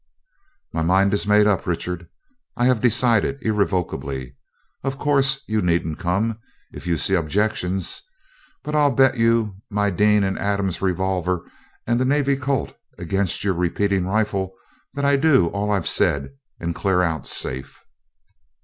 'My mind is made up, Richard I have decided irrevocably. Of course, you needn't come, if you see objections; but I'll bet you my Dean and Adams revolver and the Navy Colt against your repeating rifle that I do all I've said, and clear out safe.'